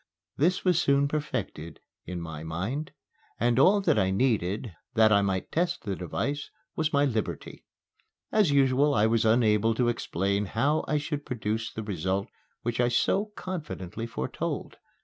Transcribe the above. This was soon perfected in my mind; and all I needed, that I might test the device, was my liberty. As usual I was unable to explain how I should produce the result which I so confidently foretold.